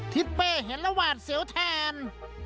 ทิศเป้เห็นแล้วหวาดเสียวแทน